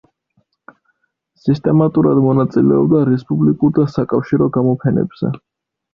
სისტემატურად მონაწილეობდა რესპუბლიკურ და საკავშირო გამოფენებზე.